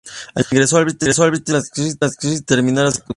Ingresó en la Abbey Theatre School of Acting al terminar la secundaria.